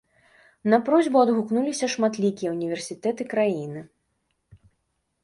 На просьбу адгукнуліся шматлікія ўніверсітэты краіны.